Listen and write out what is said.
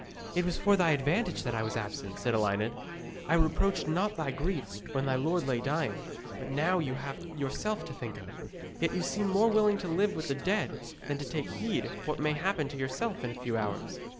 'It was for thy advantage that I was absent,' said Elined. 'I reproached not thy grief when thy lord lay dying, but now you have yourself to think of. Yet you seem more willing to live with the dead than to take heed what may happen to yourself in a few hours.